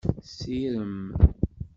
Sirem.